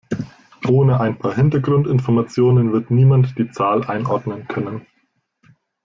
Ohne ein paar Hintergrundinformationen wird niemand die Zahl einordnen können.